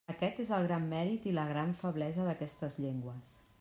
Aquest és el gran mèrit i la gran feblesa d'aquestes llengües.